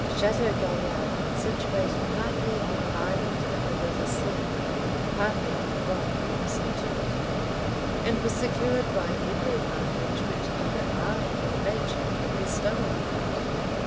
} Chateau Gaillard was situated partly on an island in the River Seine, partly on a rock opposite to it; and was secured by every advantage which either art or nature could bestow upon it.